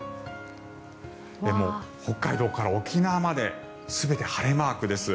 北海道から沖縄まで全て晴れマークです。